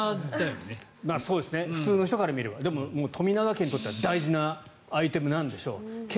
そうですね普通の人から見ればでも富永家には大事なアイテムなんでしょう。